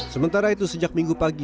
sementara itu sejak minggu pagi